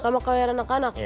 sama choir anak anak